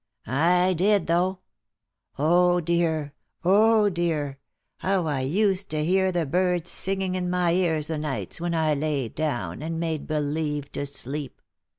— I did though. Oh, dear ! oh, dear! how I used to hear the birds singing in my ears o' nights, when I laid down, and made believe to sleep